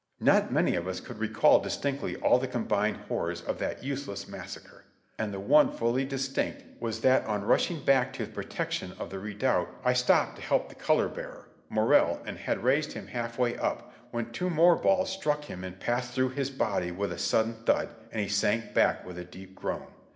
Not many of us could recall distinctly all the combined hor rors of that useless massacre. The chief incident, and the one fully distinct, was that on rushing back to the protection of the redoubt I stopped to help the color bearer, Morrill, and had raised him half way up, when two more balls struck him and passed through his body with a sudden thud, and he sank back with a deep groan.